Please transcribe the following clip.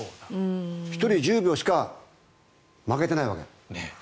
１人１０秒しか負けてないわけ。